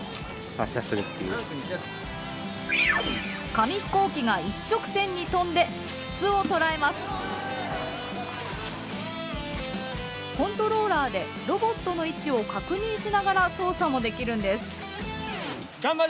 紙ヒコーキがコントローラーでロボットの位置を確認しながら操作もできるんです。